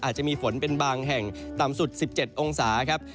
อาจจะมีฝนเป็นบางแห่งต่ำสุด๑๗องศาครับ